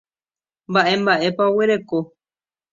Mba'e mba'épa oguereko.